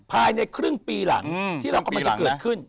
ภายในครึ่งปีหลังที่เรากำลังจะเกิดขึ้น